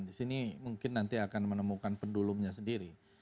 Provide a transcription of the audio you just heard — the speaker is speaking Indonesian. di sini mungkin nanti akan menemukan pendulumnya sendiri